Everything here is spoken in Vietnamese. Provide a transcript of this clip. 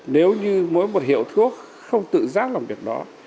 nếu như mỗi một hiệu thuốc không tự giác làm việc đó